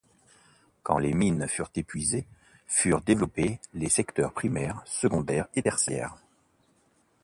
Quand les mines furent épuisées, furent développés les secteurs primaire, secondaire et tertiaire.